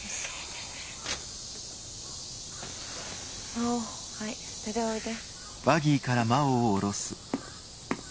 真央はい出ておいで。